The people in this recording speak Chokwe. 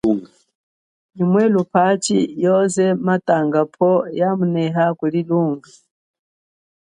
Nyi mwe lupachi yoze yatanga pwo, mba yamuneha kuli lunga.